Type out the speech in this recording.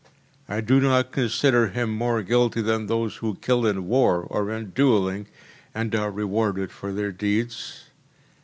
I do not consider him more guilty than those who kill in war or in duelling, and are rewarded for their deeds.